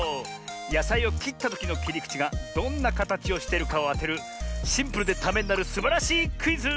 やさいをきったときのきりくちがどんなかたちをしてるかをあてるシンプルでためになるすばらしいクイズ！